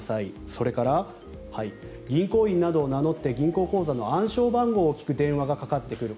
それから銀行員などを名乗って銀行口座の暗証番号を聞く電話がかかってくる。